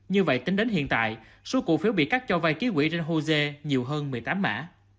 như vậy tính đến hiện tại số cụ phiếu bị cắt cho vay ký quỷ trên hosea nhiều hơn một mươi tám mã